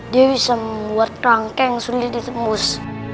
dia bisa membuat rangka yang sulit ditembus